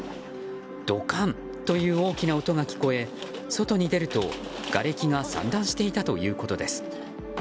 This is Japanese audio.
ドカンという大きな音が聞こえ外に出るとがれきが散乱していたということです。